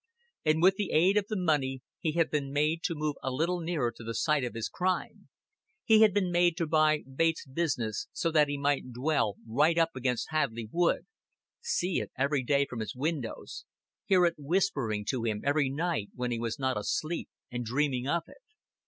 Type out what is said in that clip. And with the aid of the money he had been made to move a little nearer to the site of his crime. He had been made to buy Bates' business so that he might dwell right up against Hadleigh Wood, see it every day from his windows, hear it whispering to him every night when he was not asleep and dreaming of it.